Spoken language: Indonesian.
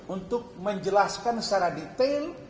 untuk menjelaskan secara detail